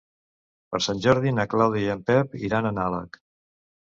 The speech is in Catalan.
Per Sant Jordi na Clàudia i en Pep iran a Nalec.